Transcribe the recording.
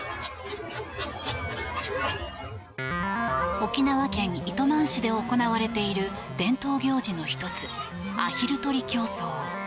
沖縄県糸満市で行われている伝統行事の１つアヒル取り競争。